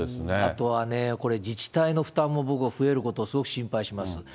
あとはね、自治体の負担も増えることを僕は心配します。